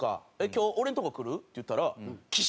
「今日俺んとこ来る？」って言ったら。